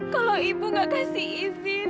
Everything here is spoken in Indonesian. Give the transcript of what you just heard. kalau ibu gak kasih izin